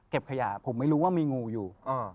ขยะผมไม่รู้ว่ามีงูอยู่